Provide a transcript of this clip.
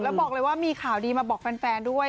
แล้วบอกเลยว่ามีข่าวดีมาบอกแฟนด้วย